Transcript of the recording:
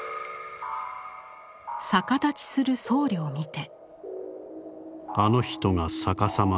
逆立ちする僧侶を見て。